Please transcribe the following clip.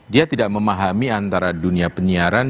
dia tidak memahami antara dunia penyiaran